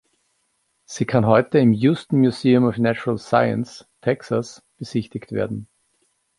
Sie kann heute im Houston Museum of Natural Science, Texas besichtigt werden.